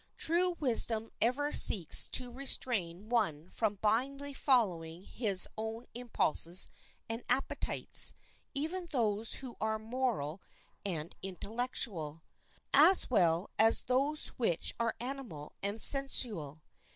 True wisdom ever seeks to restrain one from blindly following his own impulses and appetites, even those which are moral and intellectual, as well as those which are animal and sensual.